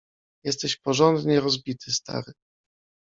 „Jesteś porządnie rozbity, stary.